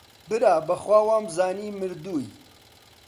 برا بەخوا وەمانزانی مردووی